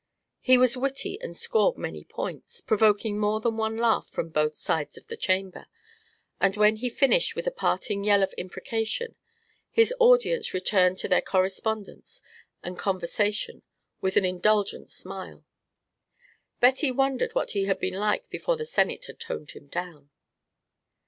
He was witty and scored many points, provoking more than one laugh from both sides of the Chamber; and when he finished with a parting yell of imprecation, his audience returned to their correspondence and conversation with an indulgent smile. Betty wondered what he had been like before the Senate had "toned him down."